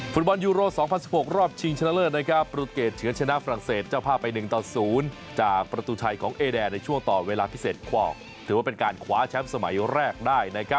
ฟุตบอลยูโร๒๐๑๖รอบชิงชนะเลิศปรุเกตเฉือนชนะฝรั่งเศสเจ้าภาพไป๑ต่อ๐จากประตูชัยของเอแดนในช่วงต่อเวลาพิเศษควอกถือว่าเป็นการคว้าแชมป์สมัยแรกได้